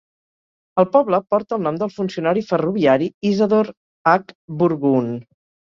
El poble porta el nom del funcionari ferroviari Isadore H. Burgoon.